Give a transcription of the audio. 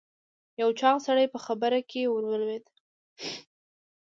یو چاغ سړی په خبره کې ور ولوېد.